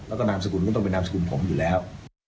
แล้วก็นามสกุลก็ต้องเป็นนามสกุลผมอยู่แล้ว